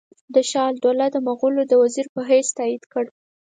ده شجاع الدوله د مغولو د وزیر په حیث تایید کړ.